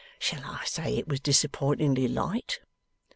Shall I say it was disappointingly light?